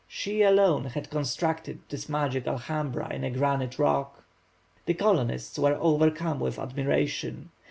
She alone had constructed this magic Alhambra in a granite rock! The colonists were overcome with admiration.